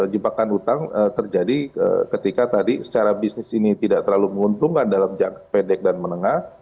jebakan hutang terjadi ketika tadi secara bisnis ini tidak terlalu menguntungkan dalam jangka pendek dan menengah